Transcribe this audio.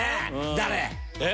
誰。